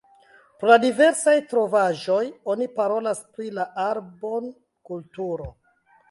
Pro la diversaj trovaĵoj oni parolas pri la Arbon-kulturo.